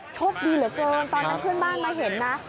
โชคดีเหลือเกินตอนนั้นเพื่อนบ้านมาเห็นนะ